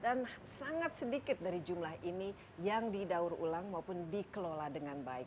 dan sangat sedikit dari jumlah ini yang didaur ulang maupun dikelola dengan baik